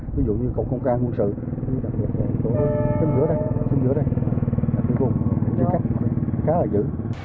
ví dụ như công trang quân sự đặc biệt là trong giữa đây trên giữa đây trên vùng trên cấp khá là dữ